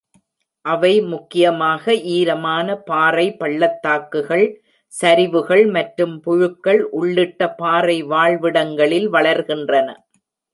அவை முக்கியமாக ஈரமான பாறை பள்ளத்தாக்குகள், சரிவுகள் மற்றும் புழுக்கள் உள்ளிட்ட பாறை வாழ்விடங்களில் வளர்கின்றன.